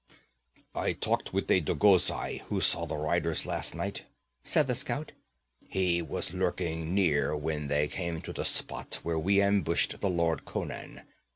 'I talked with a Dagozai who saw the riders last night,' said the scout. 'He was lurking near when they came to the spot where we ambushed the lord Conan.